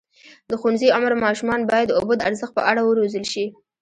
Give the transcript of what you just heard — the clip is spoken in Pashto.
د ښوونځي عمر ماشومان باید د اوبو د ارزښت په اړه وروزل شي.